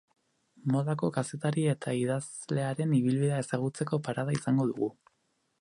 Modako kazetari eta idazlearen ibilbidea ezagutzeko parada izango dugu.